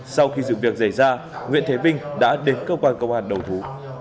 sau khi dựng việc dễ ra nguyễn thế vinh đã đến cơ quan công an đầu thú